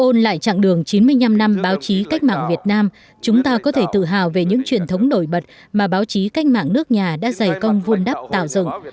ôn lại chặng đường chín mươi năm năm báo chí cách mạng việt nam chúng ta có thể tự hào về những truyền thống nổi bật mà báo chí cách mạng nước nhà đã dày công vun đắp tạo dựng